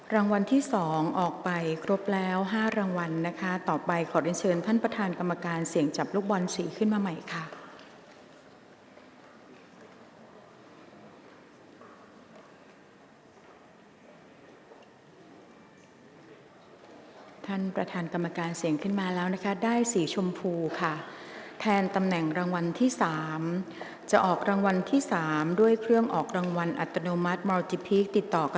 รางวัลที่สองออกไปครบแล้ว๕รางวัลนะคะ